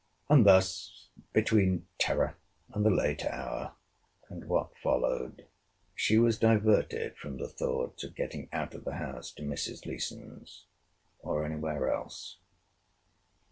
And thus, between terror, and the late hour, and what followed, she was diverted from the thoughts of getting out of the house to Mrs. Leeson's, or any where else.